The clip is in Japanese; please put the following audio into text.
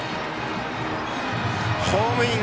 ホームイン！